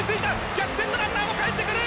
逆転のランナーもかえってくる！